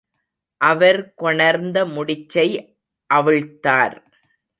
அவர் கொணர்ந்த முடிச்சை அவிழ்த்தார்.